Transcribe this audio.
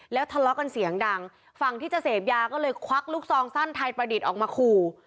แล้วทะเลาะกันเสียงดังฝั่งที่จะเสพยาก็เลยควักลูกซองสั้นไทยประดิษฐ์ออกมาขู่